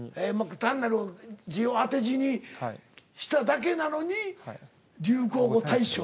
単なる字を当て字にしただけなのに流行語大賞。